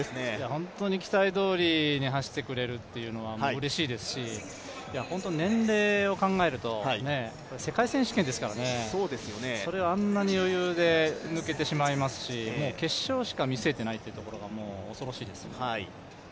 本当に期待どおりに走ってくれるというのはうれしいですし本当に年齢を考えると、世界選手権ですからね、それをあんなに余裕で抜けてしまいますし決勝しか見据えていないというところが、恐ろしいですね。